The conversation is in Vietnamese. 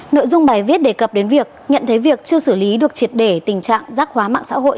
nội dung bài viết đề cập đến việc nhận thấy việc chưa xử lý được triệt để tình trạng rác hóa mạng xã hội